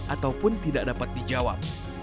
ataupun tidak dapat dijawab